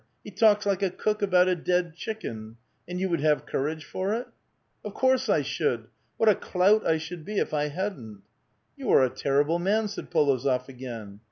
He talks like a cook about a dead chicken ! And you would have courage for it?" " Of course I should. What a clout I should be if I hadn't !"" You are a terrible man !" said Polozof again.